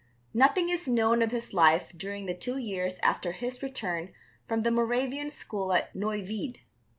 Nothing is known of his life during the two years after his return from the Moravian school at Neuwied.